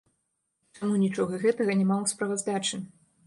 Чаму нічога гэтага няма ў справаздачы?